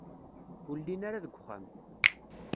Ur llin ara deg uxxam.